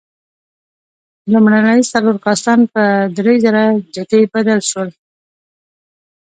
لومړني څلور کاستان په درېزره جتي بدل شول.